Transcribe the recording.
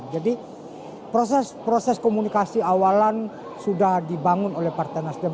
jadi proses komunikasi awalan sudah dibangun oleh partai nasdem